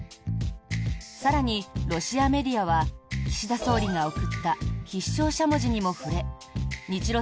更に、ロシアメディアは岸田総理が贈った必勝しゃもじにも触れ日露